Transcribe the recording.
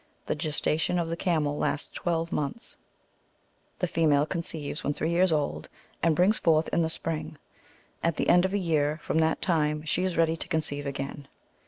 The gestation of the camel lasts twelve months ; the female conceives when three years old, and brings forth in the spring ; at the end of a year from that time, she is ready to conceive again.